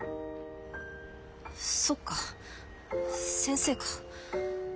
そっか先生か。